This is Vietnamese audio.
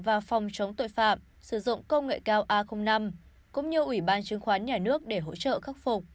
và phòng chống tội phạm sử dụng công nghệ cao a năm cũng như ủy ban chứng khoán nhà nước để hỗ trợ khắc phục